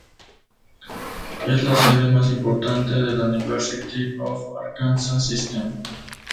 Es la sede más importante de la University of Arkansas System.